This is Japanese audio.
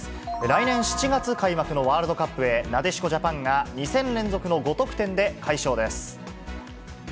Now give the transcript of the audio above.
来年７月開幕のワールドカップへ、なでしこジャパンが２戦連続の５得点で快勝です。